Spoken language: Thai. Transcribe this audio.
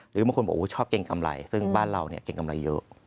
หรือบางคนบอกชอบเกรงกำไรซึ่งบ้านเราเนี่ยเกรงกำไรเยอะ